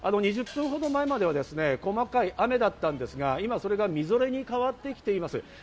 ２０分ほど前までは細かい雨だったんですが、今、それがみぞれに変わってきています。